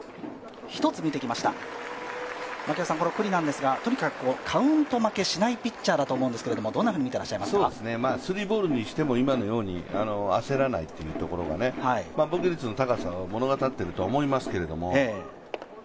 九里は、とにかくカウント負けしないピッチャーだと思うんですけど、スリーボールにしても今のように焦らないところが防御率の高さを物語っていると思いますけど。